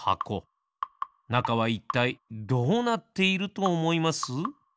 なかはいったいどうなっているとおもいます？